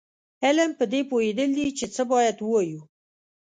علم پدې پوهېدل دي چې څه باید ووایو.